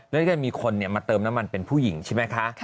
แล้วก็จะมีคนมาเติมน้ำมันเป็นผู้หญิงใช่ไหมคะ